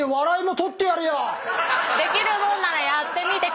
できるもんならやってみてください！